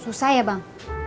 susah ya bang